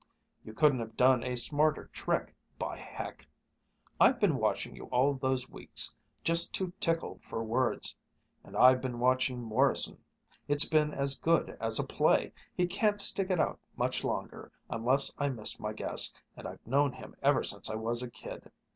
You couldn't have done a smarter trick, by heck! I've been watching you all those weeks, just too tickled for words. And I've been watching Morrison. It's been as good as a play! He can't stick it out much longer, unless I miss my guess, and I've known him ever since I was a kid.